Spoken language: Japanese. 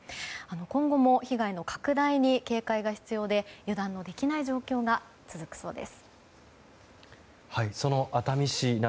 今後も被害の拡大に警戒が必要で、油断ができない状況が続きそうです。